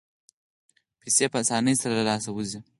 پیسې په اسانۍ سره له لاسه وځي.